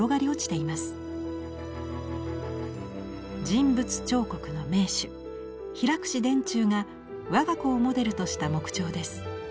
人物彫刻の名手平田中が我が子をモデルとした木彫です。